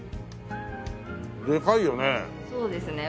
でかいよね。